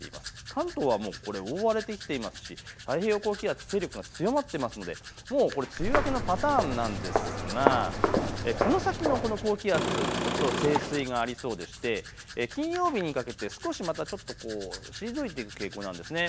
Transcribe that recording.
関東はもう覆われてきていますし太平洋高気圧の勢力が強まっていますのでもう梅雨明けのパターンなんですがこの先のこの高気圧、ちょっと盛衰がありそうでして金曜日にかけて少し退いていく傾向にあるんです。